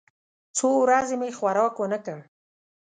څو ورځې مې خوراک ونه کړ.